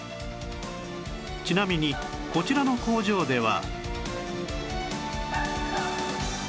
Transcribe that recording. ちなみにこちらの工場では